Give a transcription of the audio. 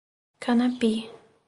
Canapi